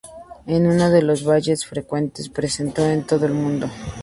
Es uno de los ballets frecuentemente presentado en todo el mundo.